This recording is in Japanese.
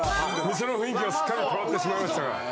店の雰囲気はすっかり変わってしまいましたが。